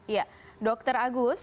ya dr agus